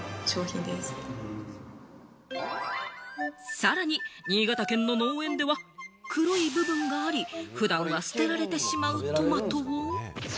さらに新潟県の農園では、黒い部分があり、普段は捨てられてしまうトマトを。